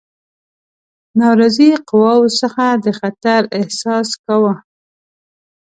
ناراضي قواوو څخه د خطر احساس کاوه.